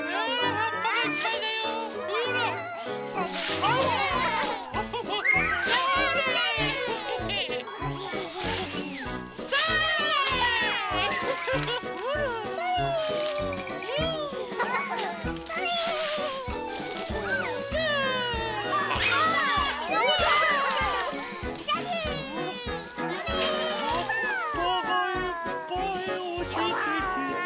はっぱがいっぱいおちてきた。